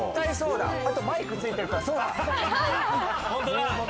あとマイクついてるから、そうだ。